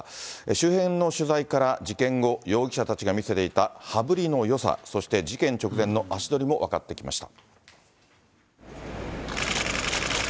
周辺の取材から、事件後、容疑者たちが見せていた羽振りのよさ、そして事件直前の足取りも分かってきました。